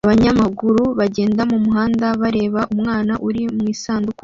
Abanyamaguru bagenda mumuhanda bareba umwana uri mu isanduku